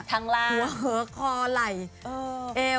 ทั้งล่างหัวหือคอไหลเอว